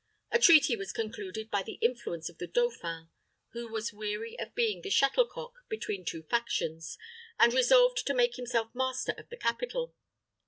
A treaty was concluded by the influence of the dauphin, who was weary of being the shuttle cock between two factions, and resolved to make himself master of the capital.